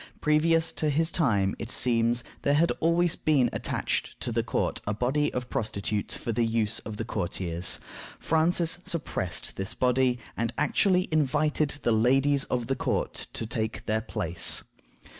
Previous to his time, it seems, there had always been attached to the court a body of prostitutes for the use of the courtiers. Francis suppressed this body, and actually invited the ladies of the court to take their place.